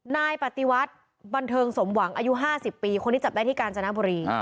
นายปฏิวัติบันเทิงสมหวังอายุ๕๐ปีคนที่จับได้ที่กาญจนบุรี